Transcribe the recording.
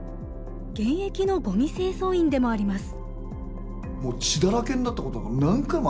現役のごみ清掃員でもあります。